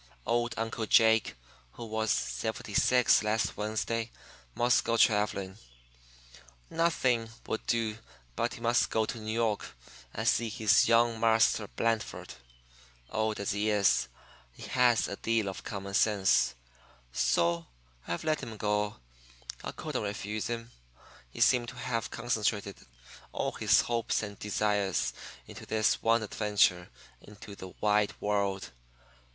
Old Uncle Jake, who was seventy six last Wednesday, must go travelling. Nothing would do but he must go to New York and see his "young Marster Blandford." Old as he is, he has a deal of common sense, so I've let him go. I couldn't refuse him he seemed to have concentrated all his hopes and desires into this one adventure into the wide world.